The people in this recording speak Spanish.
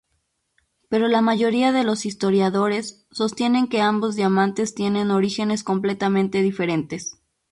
Pero la mayoría de los historiadores sostienen que ambos diamantes tienen orígenes completamente diferentes.